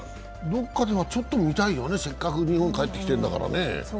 どこかでは見たいよね、せっかく日本に帰ってきてるんだからね。